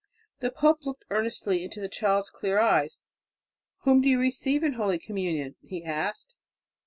The pope looked earnestly into the child's clear eyes. "Whom do you receive in holy communion?" he asked.